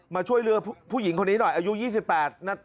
มาช่วยเรือผู้หญิงคนนี้หน่อยอายุ๒๘นาที